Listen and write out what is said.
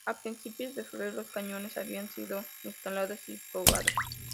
A principios de febrero los cañones habían sido instalados y probados.